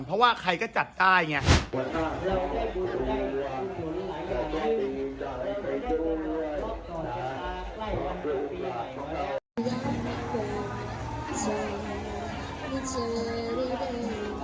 เพราะว่าใครก็จัดได้ไง